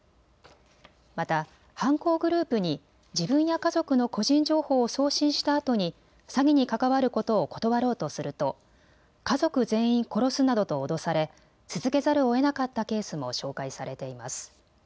また犯行グループに自分や家族の個人情報を送信したあとに詐欺に関わることを断ろうとすると家族全員殺すなどと脅され続けざるをえなかったケースも紹介されています。